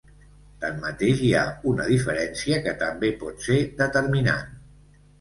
Tanmateix, hi ha una diferència que també pot ser determinant.